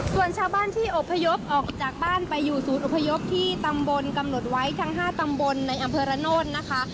ส่วนชาวบ้านที่อบพยพออกจากบ้านไปอยู่ศูนย์อพยพที่ตำบลกำหนดไว้ทั้ง๕ตำบลในอำเภอระโนธนะคะ